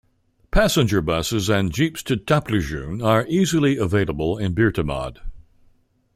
Passenger buses and jeeps to Taplejung are easily available in Birtamod.